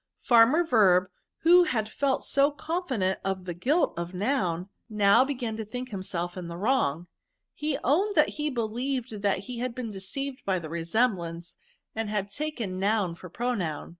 " Farmer Verb, who had felt so confident of the guilt of Noun, now began to think himself S84 VERBS. in the wrong. He owned that he believed that he had been deceived by the resemblance, and had taken Noun for Pronoun.